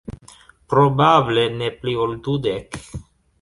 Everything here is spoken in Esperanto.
Probable ne pli ol dudek.